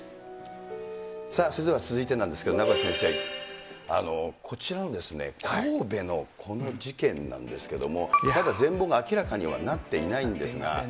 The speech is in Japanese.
さあ、それでは続いてなんですけれども、名越先生、こちらの神戸のこの事件なんですけれども、まだ全貌が明らかになっていないんですが。